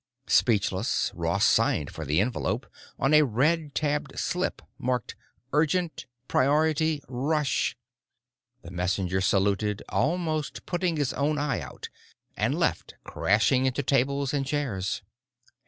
Speechless, Ross signed for the envelope on a red tabbed slip marked URGENT * PRIORITY * RUSH. The messenger saluted, almost putting his own eye out, and left, crashing into tables and chairs.